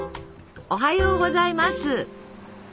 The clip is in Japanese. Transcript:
おはようございます。